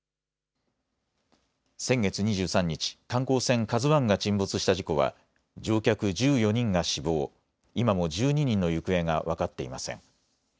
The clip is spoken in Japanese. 先月２３日、観光船ＫＡＺＵＩが沈没した事故は乗客１４人が死亡、今も１２人の行方が分かっていません。